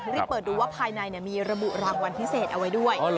รีบเปิดดูว่าภายในมีระบุรางวัลพิเศษเอาไว้ด้วย